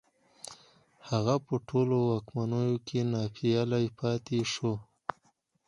هغه په ټولو واکمنيو کې ناپېيلی پاتې شو